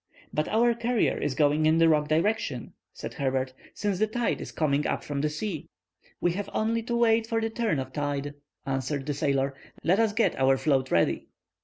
"But our carrier is going in the wrong direction," said Herbert, "since the tide is coming up from the sea." "We have only to wait for the turn of tide," answered the sailor. "Let us get our float ready."